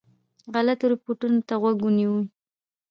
غلطو رپوټونو ته غوږ ونیوی.